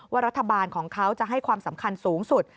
รัฐบาลของเขาจะให้ความสำคัญสูงสุด